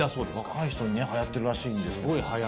若い人にね流行ってるらしいんですけど。